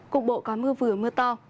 cục bộ có mưa vừa mưa to